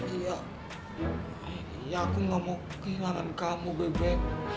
iya aku gak mau kehilangan kamu bebep